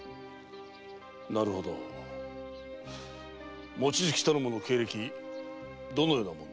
なるほど望月頼母の経歴どのようなものだ？